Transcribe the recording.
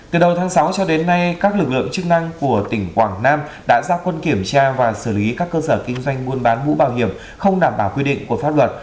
từ đầu tháng sáu cho đến nay các lực lượng chức năng của tỉnh quảng nam đã ra quân kiểm tra và xử lý các cơ sở kinh doanh buôn bán mũ bảo hiểm không đảm bảo quy định của pháp luật